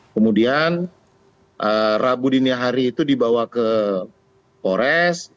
kemudian rabu dinihari itu dibawa ke kores